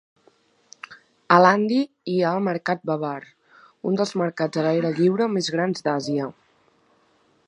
A Landhi hi ha el mercat Babar, un dels mercats a l'aire lliure més grans d'Àsia.